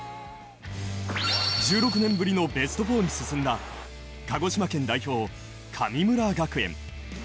１６年ぶりのベスト４に進んだ鹿児島代表、神村学園。